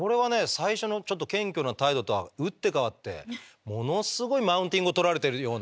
最初のちょっと謙虚な態度とは打って変わってものすごいマウンティングをとられてるような。